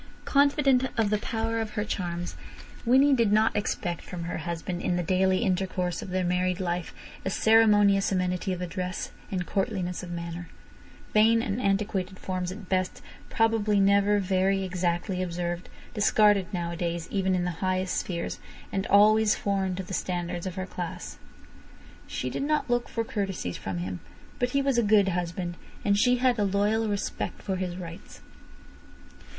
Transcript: Confident of the power of her charms, Winnie did not expect from her husband in the daily intercourse of their married life a ceremonious amenity of address and courtliness of manner; vain and antiquated forms at best, probably never very exactly observed, discarded nowadays even in the highest spheres, and always foreign to the standards of her class. She did not look for courtesies from him. But he was a good husband, and she had a loyal respect for his rights.